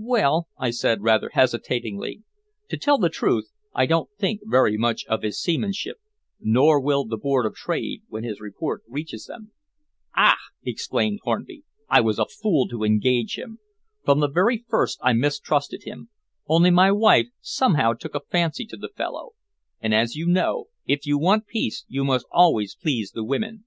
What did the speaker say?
"Well," I said rather hesitatingly, "to tell the truth, I don't think very much of his seamanship nor will the Board of Trade when his report reaches them." "Ah!" exclaimed Hornby, "I was a fool to engage him. From the very first I mistrusted him, only my wife somehow took a fancy to the fellow, and, as you know, if you want peace you must always please the women.